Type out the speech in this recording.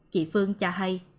chị phương cho hay